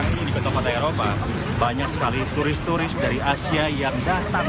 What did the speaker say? ini di kota kota eropa banyak sekali turis turis dari asia yang datang